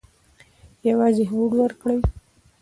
یوازې هوډ وکړئ